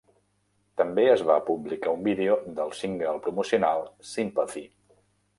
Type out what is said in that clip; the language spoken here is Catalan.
També es va publicar un vídeo del single promocional "Sympathy".